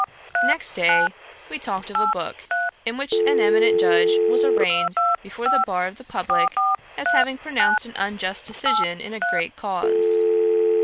Next day we talked of a book in which an eminent judge was arraigned before the bar of the publick, as having pronounced an unjust decision in a great cause.